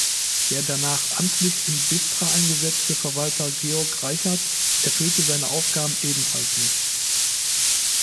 Der danach amtlich in Bistra eingesetzte Verwalter Georg Reichard erfüllte seine Aufgaben ebenfalls nicht.